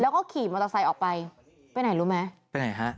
แล้วก็ขี่มอเตอร์ไซค์ออกไปไปไหนรู้ไหมไปไหนฮะ